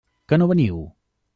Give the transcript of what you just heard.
Que no veniu?